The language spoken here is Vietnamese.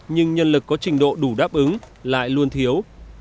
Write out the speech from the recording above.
nhưng nhân lực có trình độ đủ đáp ứng lại luôn thiếu